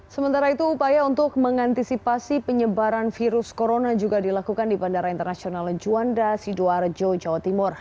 sementara itu upaya untuk mengantisipasi penyebaran virus corona juga dilakukan di bandara internasional juanda sidoarjo jawa timur